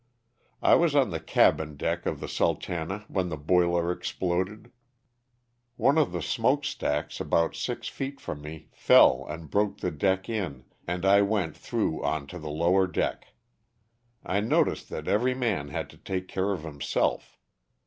I was on the cabin deck of the "Sultana" when the boiler exploded. One of the smoke stacks about six LOSS OF THE SULTANA. 239 feet from me fell and broke the deck in and I went through onto the lower deck. I noticed that every man had to take care of himself.